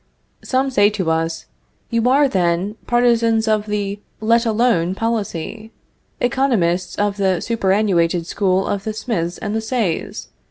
Some say to us: You are, then, partisans of the let alone policy? economists of the superannuated school of the Smiths and the Says?